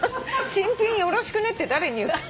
「新品よろしくね」って誰に言ったの？